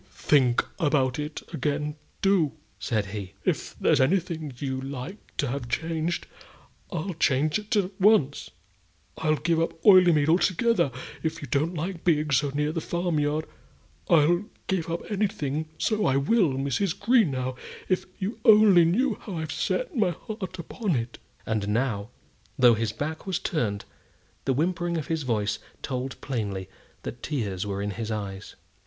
"Do think about it again do!" said he. "If there's anything you like to have changed, I'll change it at once. I'll give up Oileymead altogether, if you don't like being so near the farm yard. I'll give up anything; so I will. Mrs. Greenow, if you only knew how I've set my heart upon it!" And now, though his back was turned, the whimpering of his voice told plainly that tears were in his eyes.